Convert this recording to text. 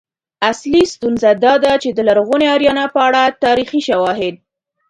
اصلی ستونزه دا ده چې د لرغونې آریانا په اړه تاریخي شواهد